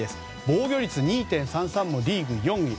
防御率２．３３もリーグ４位。